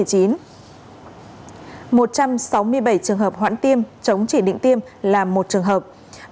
một trăm sáu mươi bảy trường hợp hoãn tiêm chống chỉ định tiêm là một trường hợp